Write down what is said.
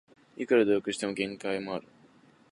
いくら努力しても限界ある